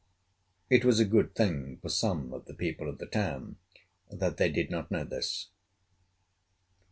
It was a good thing for some of the people of the town that they did not know this.